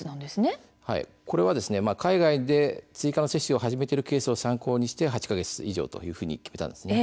これは海外で追加の接種を始めているケースを参考にして８か月以上と決めたんです。